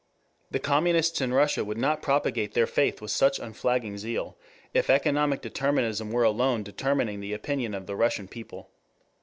The communists in Russia would not propagate their faith with such unflagging zeal if economic determinism were alone determining the opinion of the Russian people.